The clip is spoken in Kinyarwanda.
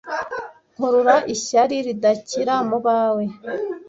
nkurura ishyari ridakira mubawe